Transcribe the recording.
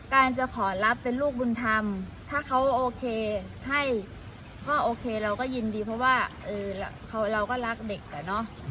การจะขอรับเป็นลูกบุญธรรมถ้าเขาโอเคให้ก็โอเคเราก็ยินดีเพราะว่าเราก็รักเด็กอะเนาะ